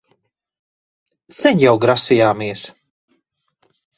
Sen jau grasījāmies...